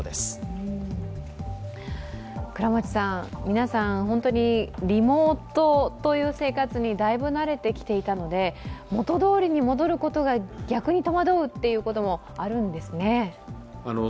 皆さん、本当にリモートという生活にだいぶ慣れてきていたので元通りに戻ることが逆に戸惑うということもあるんですね。